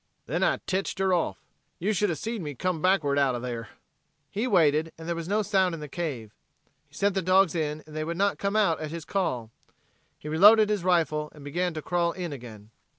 Then I tetched her oft. Ye should have seed me come backward out o' there." He waited and there was no sound in the cave. He sent the dogs in and they would not come out at his call. He reloaded his rifle and began to crawl in again.